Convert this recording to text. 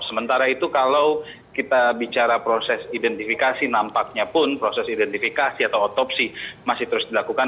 sementara itu kalau kita bicara proses identifikasi nampaknya pun proses identifikasi atau otopsi masih terus dilakukan